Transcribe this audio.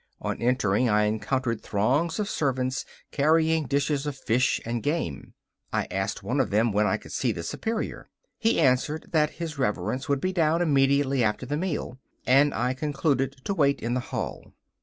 On entering, I encountered throngs of servants carrying dishes of fish and game. I asked one of them when I could see the Superior. He answered that His Reverence would be down immediately after the meal, and I concluded to wait in the hall.